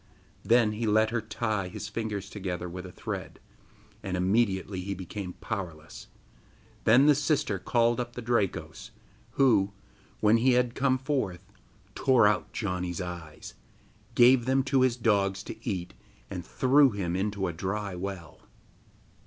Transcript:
Then he let her tie his fingers together with a thread, and immediately he became powerless. Then the sister called up the Drakos, who, when he had come forth, tore out Janni's eyes, gave them to his dogs to eat, and threw him into a dry well.